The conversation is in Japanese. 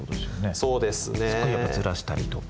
そこはやっぱりずらしたりとか。